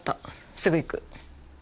すぐ行く。